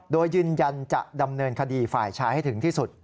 โดยยืนยันจะดำเนินคดีฝ่ายชายให้ถึงที่สุด